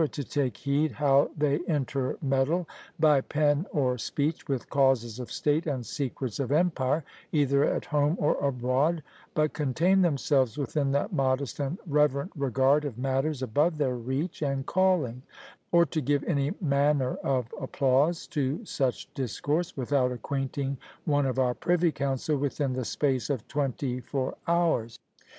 to take heed how they intermeddle by pen or speech with causes of state and secrets of empire, either at home or abroad, but contain themselves within that modest and reverent regard of matters above their reach and calling; nor to give any manner of applause to such discourse, without acquainting one of our privy council within the space of twenty four hours."